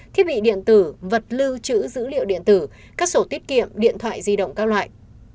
thiết bị điện tử vật lưu trữ dữ liệu điện tử các sổ tiết kiệm điện thoại di động các loại